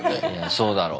そうだろうな。